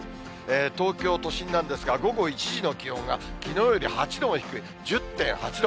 東京都心なんですが、午後１時の気温がきのうより８度も低い、１０．８度。